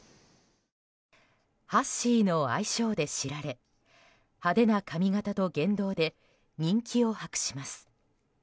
ハッシーの愛称で知られ派手な髪形と言動で人気を博します。